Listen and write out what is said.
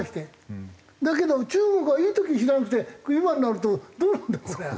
だけど中国はいい時にしなくて今になるとどうなんだろうね。